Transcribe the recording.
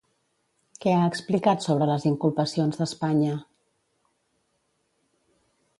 Què ha explicat sobre les inculpacions d'Espanya?